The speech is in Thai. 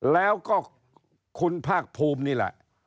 แล้วก็คุณภาคภูมินี่แหละ